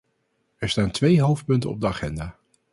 Er staan twee hoofdpunten op de agenda.